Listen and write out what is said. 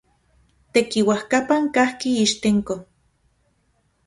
Tekiuajkapan kajki Ixtenco.